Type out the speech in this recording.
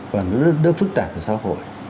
và nó rất phức tạp cho xã hội